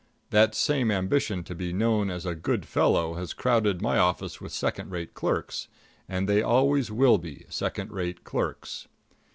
That same ambition to be known as a good fellow has crowded my office with second rate clerks, and they always will be second rate clerks.